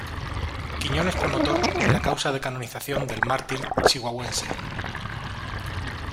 Quiñones Promotor de la Causa de Canonización del mártir chihuahuense.